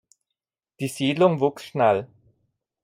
Die Siedlung wuchs schnell.